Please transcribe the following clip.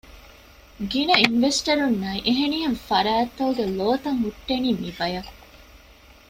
ގިނަ އިންވެސްޓަރުންނާއި އެހެނިހެން ފަރާތްތަކުގެ ލޯތައް ހުއްޓެނީ މިބަޔަށް